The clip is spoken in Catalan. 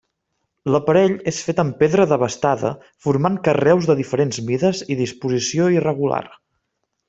L'aparell és fet amb pedra desbastada formant carreus de diferents mides i disposició irregular.